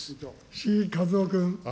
志位和夫君。